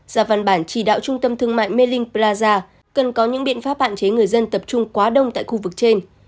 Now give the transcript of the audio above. ra văn bản chỉ đạo trung tâm thương mại mê linh plaza cần có những biện pháp hạn chế người dân tập trung quá đông tại khu vực trên